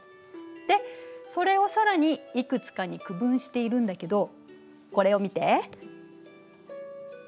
でそれを更にいくつかに区分しているんだけどこれを見て。